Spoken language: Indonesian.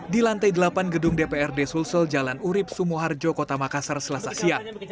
di lantai delapan gedung dprd sulsel jalan urib sumoharjo kota makassar selasa siang